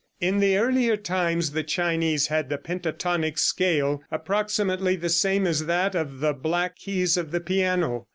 In the earlier times the Chinese had the pentatonic scale, approximately the same as that of the black keys of the piano.